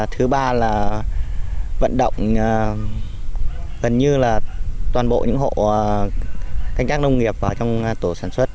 thứ ba là vận động gần như là toàn bộ những hộ canh tác nông nghiệp vào trong tổ sản xuất